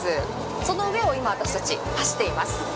その上を今、私たち走っています。